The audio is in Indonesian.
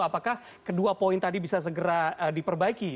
apakah kedua poin tadi bisa segera diperbaiki